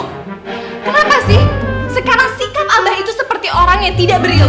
kenapa sih sekarang sikap abah itu seperti orang yang tidak berilung